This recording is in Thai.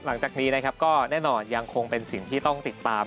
หลังจากนี้นะครับก็แน่นอนยังคงเป็นสิ่งที่ต้องติดตาม